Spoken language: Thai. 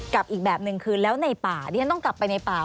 อีกแบบหนึ่งคือแล้วในป่าดิฉันต้องกลับไปในป่า